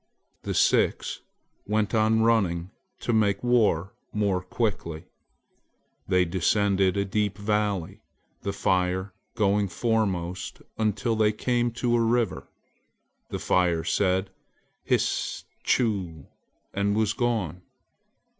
The six went on running to make war more quickly. They descended a deep valley, the Fire going foremost until they came to a river. The Fire said "Hsss tchu!" and was gone.